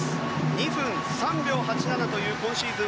２分３秒８７という今シーズン